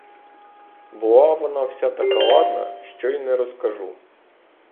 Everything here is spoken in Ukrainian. Була вона вся така ладна, що й не розкажу.